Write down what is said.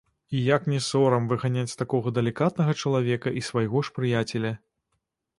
І як не сорам выганяць такога далікатнага чалавека і свайго ж прыяцеля.